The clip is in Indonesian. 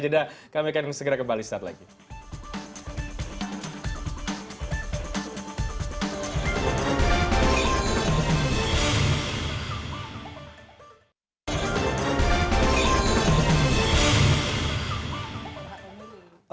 jadah kami akan segera kembali setelah ini